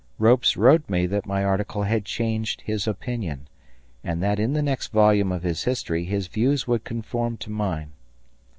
Ropes wrote me that my article had changed his opinion, and that in the next volume of his history his views would conform to mine.